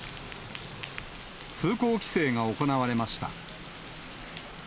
通行規制が行われました。